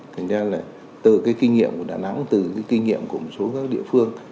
thành ra là từ cái kinh nghiệm của đà nẵng từ cái kinh nghiệm của một số các địa phương